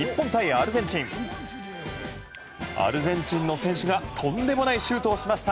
アルゼンチンの選手がとんでもないシュートをしました。